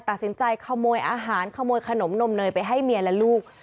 ตัดสินใจขโมยอาหารขโมยขนมนมเนยไปให้เมียและลูก